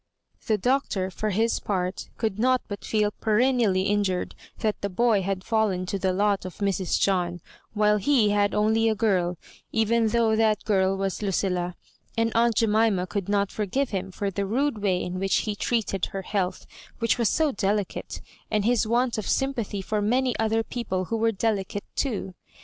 The Doctor, for his part, could not but feel perennially injured that the boy had fallen to the lot of Mrs. John, while he had only a girl — even though that girl was Lucilla ; and aunt Jemima could not forgive him for the rude way in which he treated her health, which was so delicate, and his want of sympathy for many other people who were delicate too.